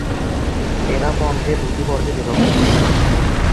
এরা বঙ্গে দুটি বর্গে বিভক্ত।